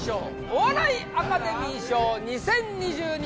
お笑いアカデミー賞２０２２